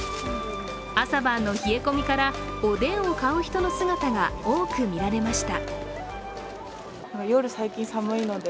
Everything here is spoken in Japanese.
朝晩の冷え込みから、おでんを買う人の姿が多く見られました。